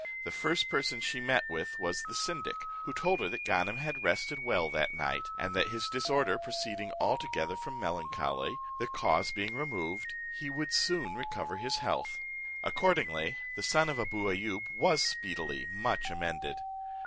The first person she met was the syndic, who told her that Ganem had rested well that night; and that his disorder proceeding altogether from melancholy, the cause being removed, he would soon recover his health. Accordingly the son of Abou Ayoub was speedily much amended.